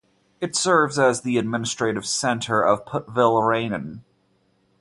It serves as the administrative center of Putyvl Raion.